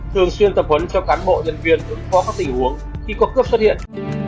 thường xuyên tập huấn cho cán bộ nhân viên ứng phó các tình huống khi có cướp xuất hiện